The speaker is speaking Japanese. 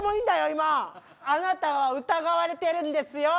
今あなたは疑われてるんですよ